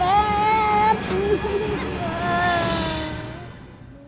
แป๊บ